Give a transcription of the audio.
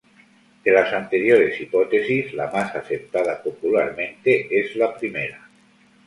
De las anteriores hipótesis, la más aceptada popularmente es la primera.